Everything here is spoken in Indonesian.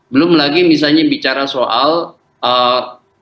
belum lagi misalnya bicara soal ee